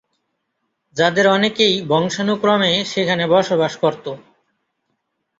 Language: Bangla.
যাদের অনেকেই বংশানুক্রমে সেখানে বসবাস করতো।